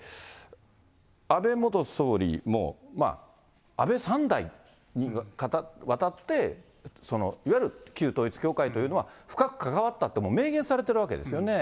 安倍元総理も、安倍３代にわたって、いわゆる旧統一教会というのは深く関わったってもう明言されてるわけですよね。